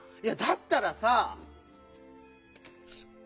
いやだったらさ。